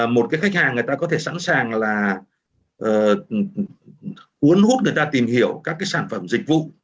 một khách hàng có thể sẵn sàng là uốn hút người ta tìm hiểu các sản phẩm dịch vụ